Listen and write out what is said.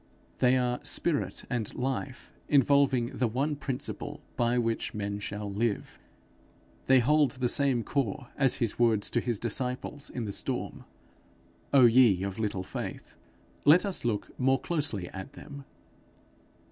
They are spirit and life, involving the one principle by which men shall live. They hold the same core as his words to his disciples in the storm, 'Oh ye of little faith!' Let us look more closely at them.